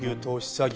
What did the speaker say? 詐欺